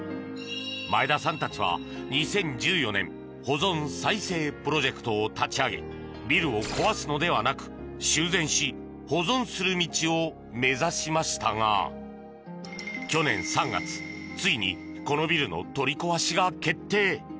前田さんたちは２０１４年保存・再生プロジェクトを立ち上げビルを壊すのではなく、修繕し保存する道を目指しましたが去年３月、ついにこのビルの取り壊しが決定。